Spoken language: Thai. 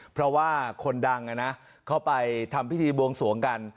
เพราะว่าคนดังเข้าไปทำพิธีบวงสวงกัน